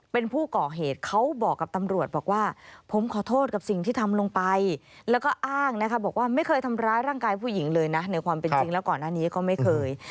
เป็นผู้ก่อเหตุเขาบอกกับตำรวจบอกว่าผมขอโทษกับสิ่งที่ทำลงไปแล้วก็อ้างนะคะบอกว่าไม่เคยทำร้ายร่างกายผู้หญิงเลยนะในความเป็นจริงแล้วก่อนหน้านี้ก็ไม่เคย